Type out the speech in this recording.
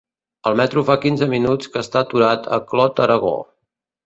El metro fa quinze minuts que està aturat a Clot-Aragó.